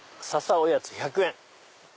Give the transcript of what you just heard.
おやつ１００円」。